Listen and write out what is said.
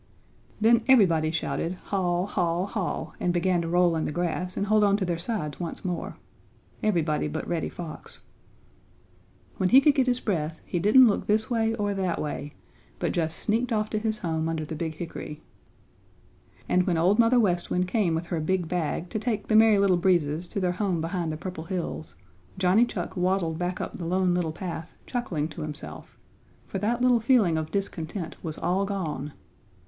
Then everybody shouted "Haw! haw! haw!" and began to roll in the grass and hold on to their sides once more; everybody but Reddy Fox. When he could get his breath he didn't look this way or that way, but just sneaked off to his home under the big hickory. [Illustration: Then everybody shouted "Haw! haw! haw!"] And when Old Mother West Wind came with her big bag to take the Merry Little Breezes to their home behind the Purple Hills, Johnny Chuck waddled back up the Lone Little Path chuckling to himself, for that little feeling of discontent was all gone.